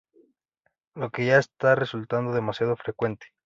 Lo que ya está resultando demasiado frecuente